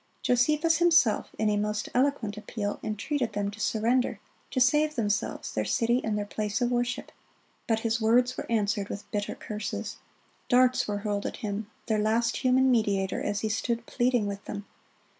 Josephus himself, in a most eloquent appeal, entreated them to surrender, to save themselves, their city, and their place of worship. But his words were answered with bitter curses. Darts were hurled at him, their last human mediator, as he stood pleading with them.